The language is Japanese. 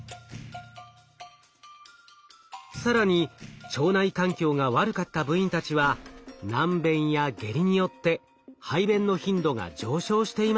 更に腸内環境が悪かった部員たちは軟便や下痢によって排便の頻度が上昇していました。